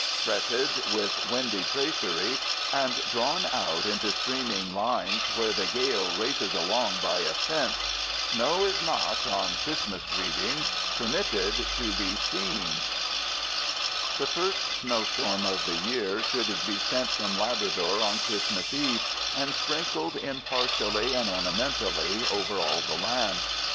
Fretted with windy tracery and drawn out into streaming lines where the gale races along by a fence, snow is not, on Christmas greetings, permitted to be seen. The first snowstorm of the year should be sent from Labrador on Christmas Eve and sprinkled impartially and ornamentally over all the land.